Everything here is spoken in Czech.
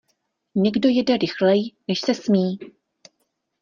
Někdo jede rychleji, než se smí.